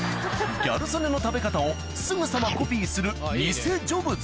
ギャル曽根の食べ方をすぐさまコピーするニセジョブズ